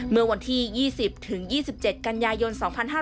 เมื่อวันที่๒๐ถึง๒๗กันยายน๒๕๕๙